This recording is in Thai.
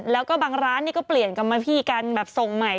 แล้วก็บางร้านนี่ก็เปลี่ยนกรรมพี่กันแบบส่งใหม่